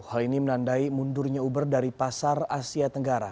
hal ini menandai mundurnya uber dari pasar asia tenggara